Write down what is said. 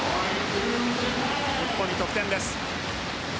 日本に得点です。